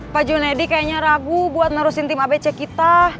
pak junedi kayaknya ragu buat nerusin tim abc kita